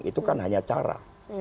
itu kan hanya cara